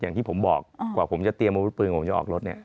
อย่างที่ผมบอกกว่าผมจะเตรียมอาวุธปืนผมจะออกรถเนี่ย